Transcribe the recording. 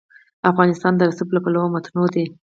افغانستان د رسوب له پلوه متنوع دی.